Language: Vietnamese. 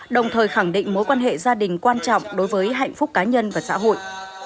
đồng thời khẳng định mối quan hệ gia đình quan trọng đối với hạnh phúc cá nhân và xã hội